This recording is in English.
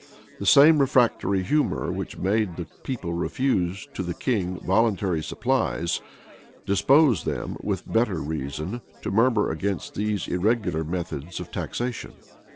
[v] The same refractory humor which made the people refuse to the king voluntary supplies, disposed them, with better reason, to murmur against these irregular methods of taxation.